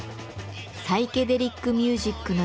サイケデリックミュージックのレコードです。